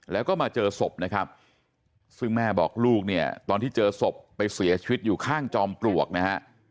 แล้วก็มาเจอศพนะครับซึ่งแม่บอกลูกเนี่ยตอนที่เจอศพไปเสียชีวิตอยู่ข้างจอมปลวกนะฮะ